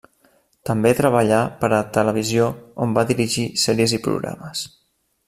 També treballà per a televisió, on va dirigir sèries i programes.